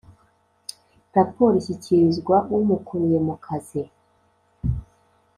raporo ishyikirizwa umukuriye mu kazi